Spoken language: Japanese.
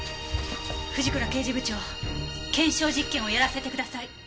藤倉刑事部長検証実験をやらせてください。